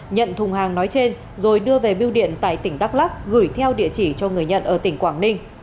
nhận thùng hàng nói trên rồi đưa về biêu điện tại tỉnh đắk lắc gửi theo địa chỉ cho người nhận ở tỉnh quảng ninh